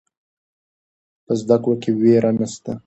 په زده کړه کې ویره نشته.